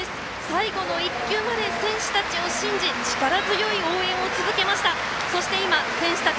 最後の一球まで選手たちを信じ力強い応援を続けました。